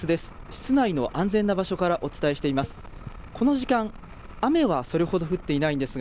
室内の安全な場所からお伝えしています。